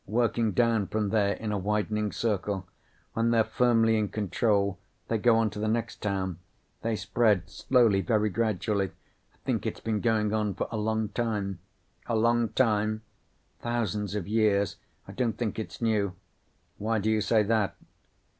Working down from there in a widening circle. When they're firmly in control they go on to the next town. They spread, slowly, very gradually. I think it's been going on for a long time." "A long time?" "Thousands of years. I don't think it's new." "Why do you say that?"